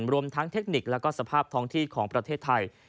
รวมทั้งเทคนิคและสภาพท้องที่ของประเทศไทย